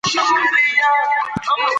تاسي باید له ځان سره برېښنایی ډېوې ولرئ.